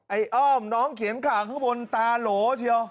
อ้อมน้องเขียนข่าวข้างบนตาโหลเชียว